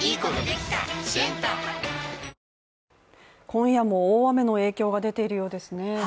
今夜も大雨の影響が出ているようですね。